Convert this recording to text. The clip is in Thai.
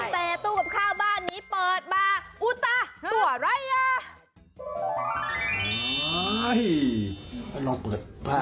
แต่ตู้กับข้าวบ้านนี้เปิดมาอุตาตัวอะไรอ่ะ